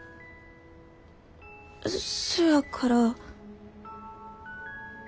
そやから。